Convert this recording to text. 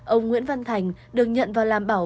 ông nguyễn văn thành được nhận vào làm bà con